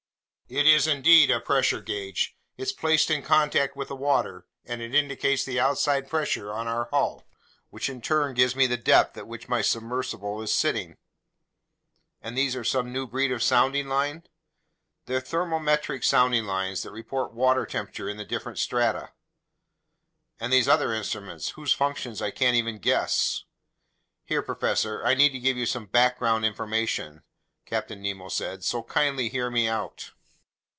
"It is indeed a pressure gauge. It's placed in contact with the water, and it indicates the outside pressure on our hull, which in turn gives me the depth at which my submersible is sitting." "And these are some new breed of sounding line?" "They're thermometric sounding lines that report water temperatures in the different strata." "And these other instruments, whose functions I can't even guess?" "Here, professor, I need to give you some background information," Captain Nemo said. "So kindly hear me out."